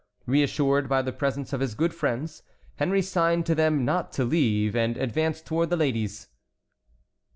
Reassured by the presence of his good friends, Henry signed to them not to leave, and advanced towards the ladies.